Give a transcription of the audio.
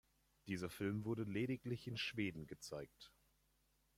Dieser Film wurde lediglich in Schweden gezeigt.